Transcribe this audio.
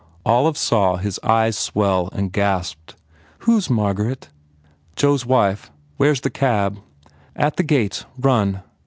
Olive saw his eyes swell and gasped. "Who s Margaret?" "Joe s wife. Where s cab?" "At the gates. Run."